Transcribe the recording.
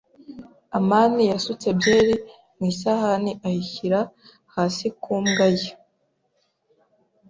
amani yasutse byeri mu isahani ayishyira hasi ku mbwa ye.